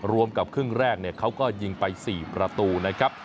รวมกับครึ่งแรกเขาก็ยิงไป๔ประตูนะครับ